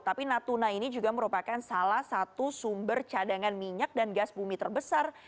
tapi natuna ini juga merupakan salah satu sumber cadangan minyak dan gas bumi terbesar